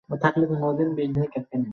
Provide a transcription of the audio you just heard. এর চেয়েও অদ্ভুত কিছু দেখতে চাও?